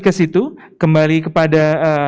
ke situ kembali kepada